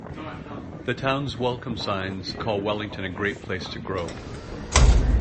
The town's welcome signs call Wellington a great place to grow.